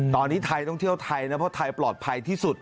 ตอนนี้ไทยต้องเที่ยวไทยนะเพราะไทยปลอดภัยที่สุด